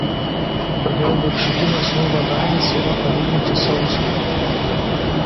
Todėl viršutinės urvo dalys yra palyginti sausos.